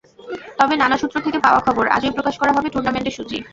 তবে নানা সূত্র থেকে পাওয়া খবর, আজই প্রকাশ করা হবে টুর্নামেন্টের সূচি।